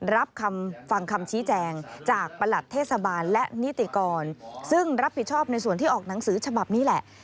รับคำฟังคำชี้แจงจากประหลัดเทศบาลและนิติกรซึ่งรับผิดชอบในส่วนที่ออกหนังสือฉบับนี้แหละ